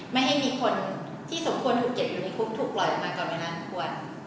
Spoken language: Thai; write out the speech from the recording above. ไม่ให้มีคนที่สมควรถูกเก็บอยู่ในคุกถูกปล่อยออกมาก่อนเวลาอันควร